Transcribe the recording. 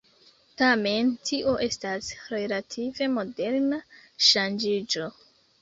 Tamen, tio estas relative moderna ŝanĝiĝo.